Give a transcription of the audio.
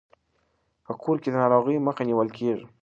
په کور کې د ناروغیو مخه نیول کیږي.